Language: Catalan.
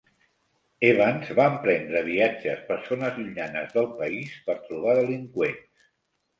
Evans va emprendre viatges per zones llunyanes del país per trobar delinqüents.